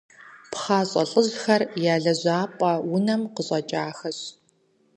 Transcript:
ПхъащӀэ лӀыжьхэр я лэжьапӀэ унэм къыщӀэкӀахэщ.